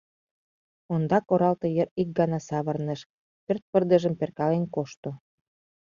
Ондак оралте йыр ик гана савырныш, пӧрт пырдыжым перкален кошто.